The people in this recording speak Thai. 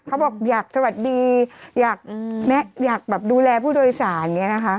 เขาบอกอยากสวัสดีอยากแบบดูแลผู้โดยสารอย่างนี้นะคะ